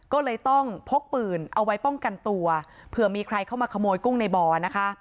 ก็เลยต้องพกปืนเอาไว้ป้องกันตัวเผื่อมีใครเข้ามาขโมยกุ้งในบ่อนะคะ